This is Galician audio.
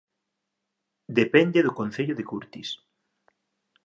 Depende do Concello de Curtis